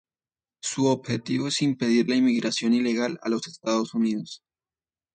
Su objetivo es impedir la inmigración ilegal a los Estados Unidos.